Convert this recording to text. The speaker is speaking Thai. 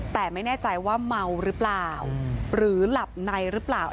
แต่ไม่แน่ใจว่าเมาหรือเปล่าหรือหลับในหรือเปล่า